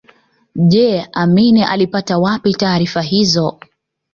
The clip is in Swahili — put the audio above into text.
Je Amin alipata wapi taarifa hizo